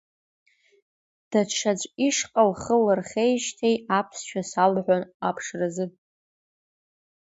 Даҽаӡә ишҟа лхы лырхеижьҭеи, аԥсшәа салҳәон аԥшразы.